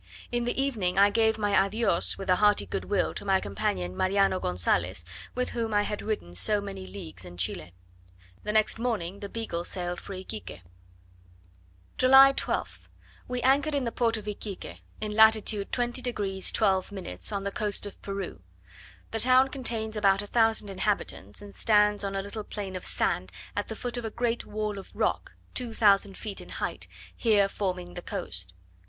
In the evening I gave my adios, with a hearty good will, to my companion Mariano Gonzales, with whom I had ridden so many leagues in Chile. The next morning the Beagle sailed for Iquique. July 12th. We anchored in the port of Iquique, in lat. 20 degs. 12', on the coast of Peru. The town contains about a thousand inhabitants, and stands on a little plain of sand at the foot of a great wall of rock, 2000 feet in height, here forming the coast.